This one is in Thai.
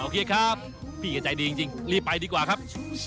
ครับพี่ก็ใจดีจริงรีบไปดีกว่าครับ